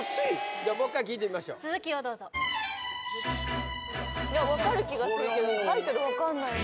じゃもっかい聴いてみましょう続きをどうぞいや分かる気がするけどタイトル分かんないよね